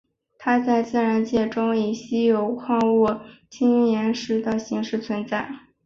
它在自然界中以稀有矿物羟铟石的形式存在。